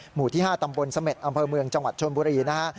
หมู่ที่๕ตำบลเสม็ดอำเภอเมืองจังหวัดชนบุรีนะฮะ